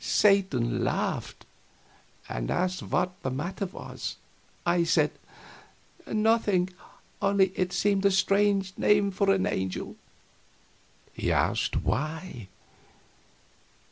Satan laughed, and asked what was the matter. I said, "Nothing, only it seemed a strange name for an angel." He asked why.